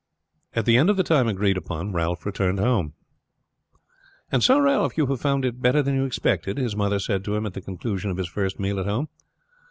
At the end of the time agreed upon Ralph returned home. "And so, Ralph, you have found it better than you expected?" his mother said to him at the conclusion of his first meal at home.